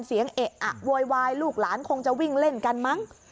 เอะอะโวยวายลูกหลานคงจะวิ่งเล่นกันมั้ง